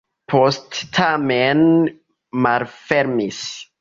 Poste tamen malfermis.